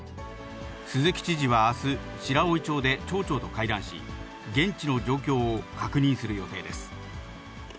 鈴木知事はあす、白老町で町長と会談し、現地の状況を確認する予定です。